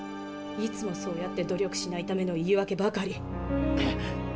いつもそうやって努力しないための言い訳ばかり。